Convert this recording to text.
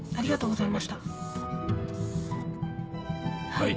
はい。